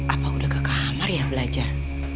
apa udah ke kamar ya belajar